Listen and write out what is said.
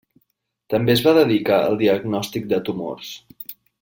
També es va dedicar al diagnòstic de tumors.